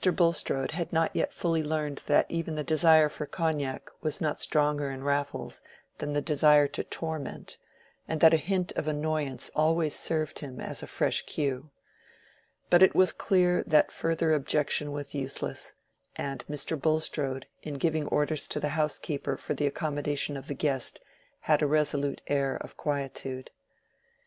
Bulstrode had not yet fully learned that even the desire for cognac was not stronger in Raffles than the desire to torment, and that a hint of annoyance always served him as a fresh cue. But it was at least clear that further objection was useless, and Mr. Bulstrode, in giving orders to the housekeeper for the accommodation of the guest, had a resolute air of quietude.